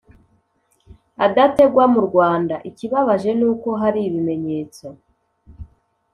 adategwa mu rwanda. ikibabaje ni uko hari ibinyetso